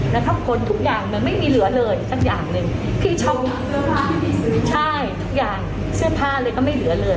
นะคะคนทุกอย่างมันไม่มีเหลือเลยสักอย่างหนึ่งทุกอย่างเสื้อผ้าเลยก็ไม่เหลือเลย